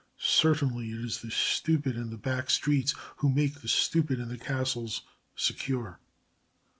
Certainly it is the stupid in the back streets who make the stupid in the castles secure.